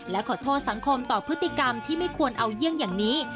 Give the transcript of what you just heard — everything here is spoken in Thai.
และขอโทษสังคมต่อพฤติกรรมที่ไม่ควรเอาเยี่ยงอย่างนี้